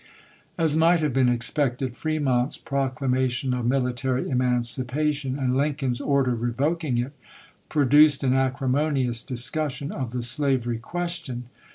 As might have been expected, Fremont's proc lamation of military emancipation, and Lincoln's order revoking it, produced an acrimonious dis cussion of the slavery question.